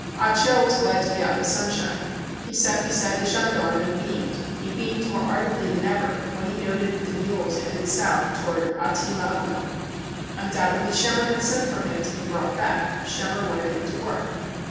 Ah Cho was glad to be out in the sunshine. He sat beside the gendarme and beamed. He beamed more ardently than ever when he noted the mules headed south toward Atimaono. Undoubtedly Schemmer had sent for him to be brought back. Schemmer wanted him to work.